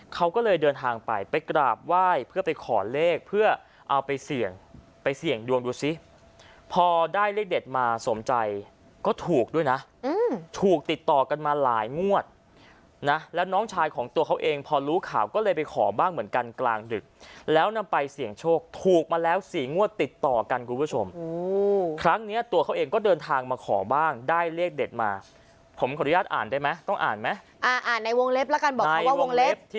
เขาก็เลยเดินทางไปไปกราบไหว้เพื่อไปขอเลขเพื่อเอาไปเสี่ยงไปเสี่ยงดวงดูซิพอได้เลขเด็ดมาสมใจก็ถูกด้วยนะถูกติดต่อกันมาหลายงวดนะแล้วน้องชายของตัวเขาเองพอรู้ข่าวก็เลยไปขอบ้างเหมือนกันกลางดึกแล้วนำไปเสี่ยงโชคถูกมาแล้วสี่งวดติดต่อกันคุณผู้ชมครั้งเนี่ยตัวเขาเองก็เดินทางมาขอบ้างได้เลขเด็ดมาผมขออนุญาตอ